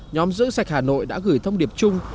nhóm giữ sạch hà nội đã gửi thông điệp chung